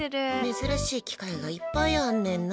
珍しい機械がいっぱいあんねんな。